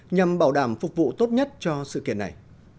nhằm bảo đảm phục vụ tốt nhất cho sự kiện này